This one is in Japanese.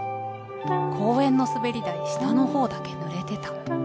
公園の滑り台下のほうだけ濡れてた。